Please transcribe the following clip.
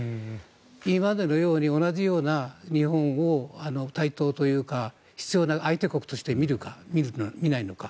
今までのように同じような日本を対等というか必要な相手国として見るのか、見ないのか。